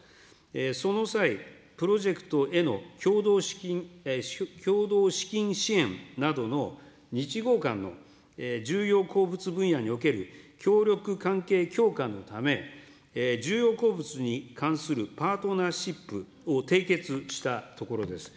その際、プロジェクトへのきょうどう資金支援などの日豪間の重要鉱物分野における協力関係強化のため、重要鉱物に関するパートナーシップを締結したところです。